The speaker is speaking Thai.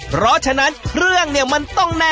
เพราะฉะนั้นเครื่องเนี่ยมันต้องแน่